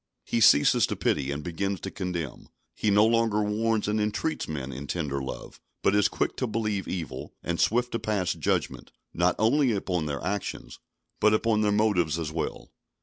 He ceases to pity, and begins to condemn; he no longer warns and entreats men in tender love, but is quick to believe evil, and swift to pass judgment, not only upon their actions, but upon their motives as well.